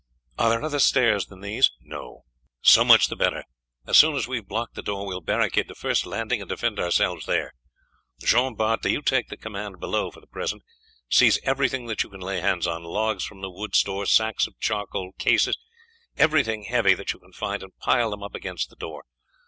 Are there other stairs than these?" "No." "So much the better. As soon as we have blocked the door we will barricade the first landing and defend ourselves there. Jean Bart, do you take the command below for the present. Seize everything that you can lay hands on, logs from the wood store, sacks of charcoal, cases, everything heavy that you can find, and pile them up against the door.